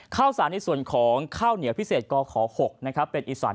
ข้าวสารในส่วนของข้าวเหนียวพิเศษกศ๖เป็นกศอิสรร